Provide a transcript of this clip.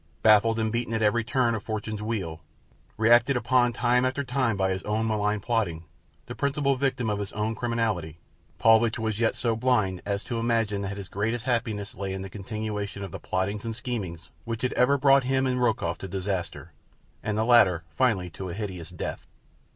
Baffled and beaten at every turn of Fortune's wheel, reacted upon time after time by his own malign plotting, the principal victim of his own criminality, Paulvitch was yet so blind as to imagine that his greatest happiness lay in a continuation of the plottings and schemings which had ever brought him and Rokoff to disaster, and the latter finally to a hideous death.